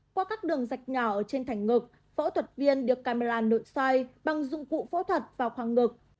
qua các đường rạch nhỏ trên thành ngực phẫu thuật viên được camera nội xoay bằng dụng cụ phẫu thuật vào khoa ngực